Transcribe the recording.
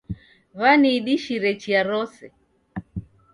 W'aniidishire chia rose